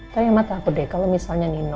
tapi emang takut deh kalau misalnya nino